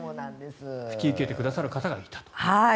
引き受けてくださる方がいたと。